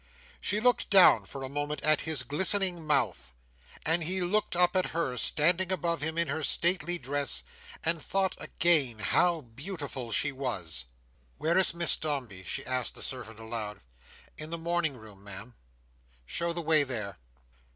She looked down for a moment at his glistening mouth; and he looked up at her, standing above him in her stately dress, and thought, again, how beautiful she was. "Where is Miss Dombey?" she asked the servant, aloud. "In the morning room, Ma'am." "Show the way there!"